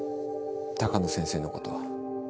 鷹野先生のこと。